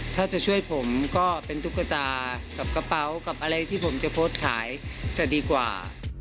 ถ้าจะช่วยผมก็เป็นตุ๊กตากับกระเป๋ากับอะไรที่ผมจะโพสต์ขายจะดีกว่า